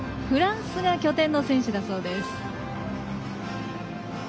フランスが拠点の選手だそうです。